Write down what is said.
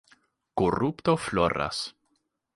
Korupto floras.